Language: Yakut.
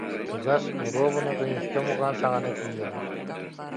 Чугас, оруобуна күнүскү омурҕан саҕана тиийэҕин